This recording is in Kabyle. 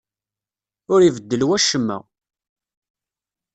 Ur ibeddel wacemma.